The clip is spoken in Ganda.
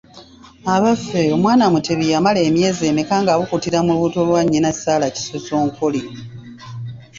Abaffe omwana Mutebi yamala emyezi emeka ng’abukutira mu lubuto lwa nnyina Sarah Kisosonkole?